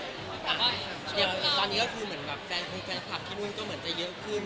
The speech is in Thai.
เดี๋ยวันนี้ก็คือเหมือนแบบแฟนคลับที่โน้นก็เหมือนจะเยอะขึ้น